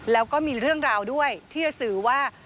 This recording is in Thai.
แล้วก็มีเรื่องราวด้วยที่จะสื่อว่า